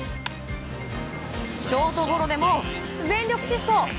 ショートゴロでも全力疾走。